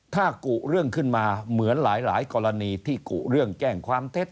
ถ้ากุเรื่องขึ้นมาเหมือนหลายกรณีที่กุเรื่องแจ้งความเท็จ